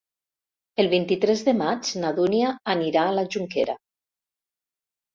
El vint-i-tres de maig na Dúnia anirà a la Jonquera.